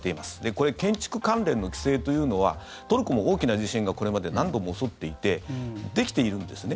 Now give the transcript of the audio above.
これ建築関連の規制というのはトルコも大きな地震がこれまで何度も襲っていてできているんですね。